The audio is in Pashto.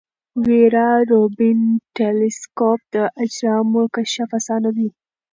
ویرا روبین ټیلسکوپ د اجرامو کشف اسانه کوي.